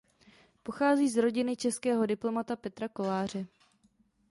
Pochází z rodiny českého diplomata Petra Koláře.